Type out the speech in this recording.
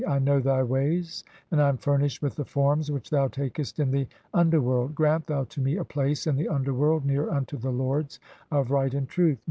I know thy ways, (3) and "I am furnished with the forms which thou takest in the under "world. Grant thou to me a place in the underworld near unto "the lords of (4) right and truth.